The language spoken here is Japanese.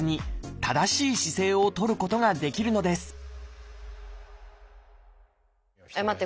正しい姿勢をとることができるのです待って。